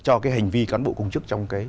cho cái hành vi cán bộ công chức trong cái